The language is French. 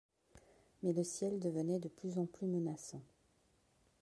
Mais le ciel devenait de plus en plus menaçant.